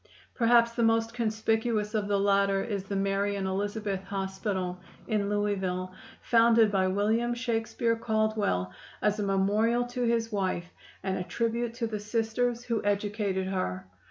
Perhaps the most conspicuous of the latter is the "Mary and Elizabeth Hospital," in Louisville, founded by William Shakespeare Caldwell as a memorial to his wife and a tribute to the Sisters who educated her.